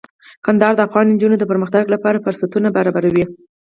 کندهار د افغان نجونو د پرمختګ لپاره فرصتونه برابروي.